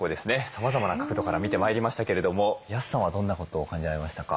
さまざまな角度から見てまいりましたけれども安さんはどんなことを感じられましたか？